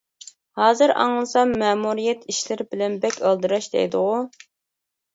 ھازىر ئاڭلىسام مەمۇرىيەت ئىشلىرى بىلەن بەك ئالدىراش دەيدىغۇ.